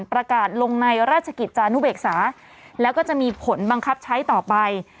ประกาศลงในราชกิจจานุเบกษาแล้วก็จะมีผลบังคับใช้ต่อไป